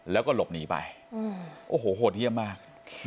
แล้วก็หลบหนีไปโอ้โหโหดเยี่ยมมาก